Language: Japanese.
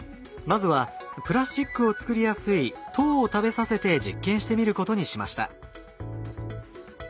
まずはプラスチックを作りやすい糖を食べさせて実験してみることにしました。